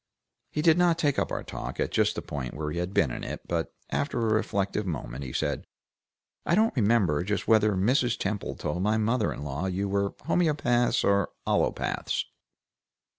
He did not take up our talk at just the point where we had been in it, but after a reflective moment, he said, "I don't remember just whether Mrs. Temple told my mother in law you were homoeopaths or allopaths."